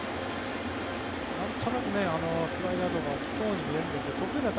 なんとなくスライダーが来そうに見えるんですけど。